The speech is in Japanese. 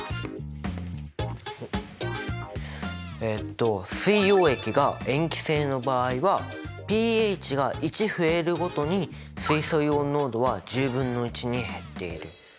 えっと水溶液が塩基性の場合はｐＨが１増えるごとに水素イオン濃度は１０分の１に減っている。